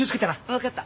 わかった。